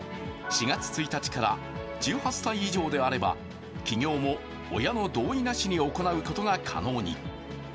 ４月１日から１８歳以上であれば起業も親の同意なしに行うことが可能に。